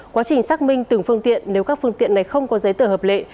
quá trình xác minh từng phương tiện nếu các phương tiện này không có giấy tờ hợp lệ